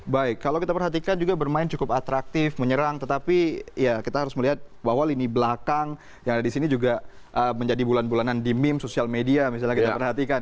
baik kalau kita perhatikan juga bermain cukup atraktif menyerang tetapi ya kita harus melihat bahwa lini belakang yang ada di sini juga menjadi bulan bulanan di meme sosial media misalnya kita perhatikan